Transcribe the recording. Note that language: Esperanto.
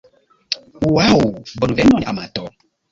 Ŭaŭ, bonvenon amato